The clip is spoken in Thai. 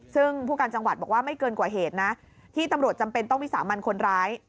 ซึ่งผู้การจังหวัดบอกว่าไม่เกินกว่าเหตุนะที่ตำรวจจำเป็นต้องวิสามันคนร้าย